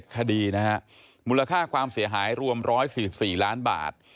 คดีนะฮะมูลค่าความเสียหายรวม๑๔๔ล้านบาท